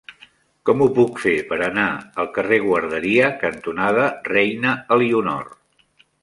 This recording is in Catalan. Com ho puc fer per anar al carrer Guarderia cantonada Reina Elionor?